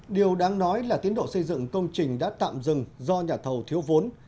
điều đáng nói là tiến độ xây dựng công trình đã tạm dừng do nhà thầu thiếu vốn